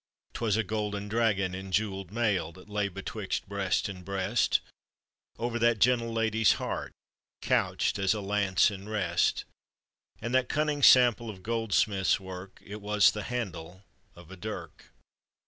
'Twas a golden dragon in jewelled mail That lay betwixt breast and breast Over that gentle lady's heart, Couched as a lance in rest; And that cunning sample of goldsmith's work, It was the handle of a dirk.